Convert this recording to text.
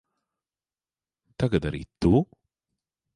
Tagad arī tu?